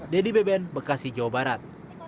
dedy beben bekasi jawa barat